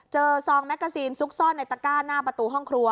ซองแมกกาซีนซุกซ่อนในตะก้าหน้าประตูห้องครัว